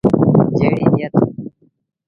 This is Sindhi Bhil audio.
جيڙيٚ نيٿ ۔